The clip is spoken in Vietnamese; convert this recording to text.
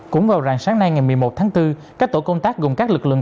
cũng vào ràng sáng nay ngày một mươi một tháng bốn các tổ công tác gồm các lực lượng